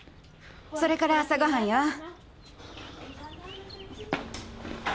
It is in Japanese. それから朝ごはんよ。